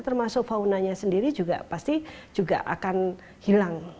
termasuk faunanya sendiri juga pasti juga akan hilang